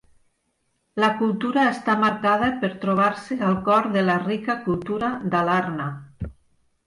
La cultura està marcada per trobar-se al cor de la rica cultura Dalarna.